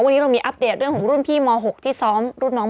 วันนี้เรามีอัปเดตเรื่องของรุ่นพี่ม๖ที่ซ้อมรุ่นน้องม